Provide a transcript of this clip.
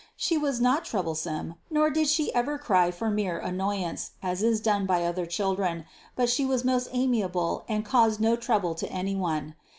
She was not troublesome, nor did She ever cry for mere an noyance, as is done by other children, but She was most amiable and caused no trouble to anybody.